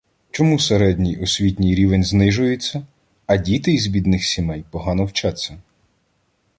Чому середній освітній рівень знижується, а діти із бідних сімей погано вчаться?